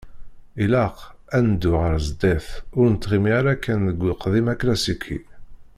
Ilaq, ad neddu ɣer sdat, ur nettɣimi ara kan deg uqdim aklasiki.